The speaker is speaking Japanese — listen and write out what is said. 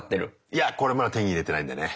いやこれまだ手に入れてないんでね